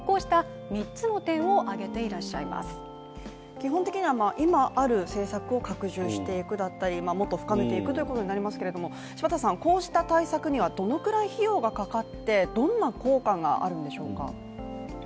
基本的には今ある政策を拡充していくだったりもっと深めていくということになりますけれども柴田さん、こうした対策にはどのくらい費用がかかってどんな効果があるんでしょうか。